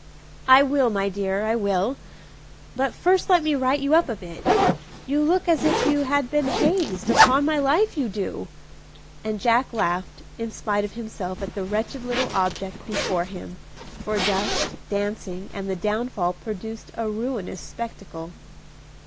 "I will, my dear, I will; but first let me right you up a bit; you look as if you had been hazed, upon my life you do;" and Jack laughed in spite of himself at the wretched little object before him, for dust, dancing, and the downfall produced a ruinous spectacle.